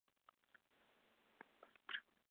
Proponen que realmente no hay beneficios importantes".